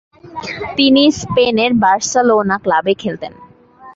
তিনি স্পেনের বার্সেলোনা ক্লাবে খেলতেন।